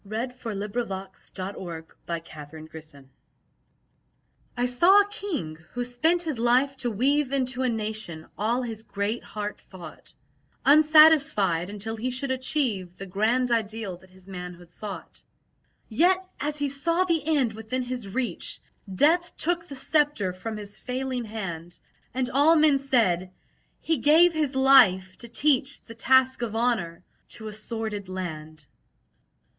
And to his chamber leads each tired guest. Equality I saw a King, who spent his life to weave Into a nation all his great heart thought, Unsatisfied until he should achieve The grand ideal that his manhood sought; Yet as he saw the end within his reach, Death took the sceptre from his failing hand, And all men said, "He gave his life to teach The task of honour to a sordid land!"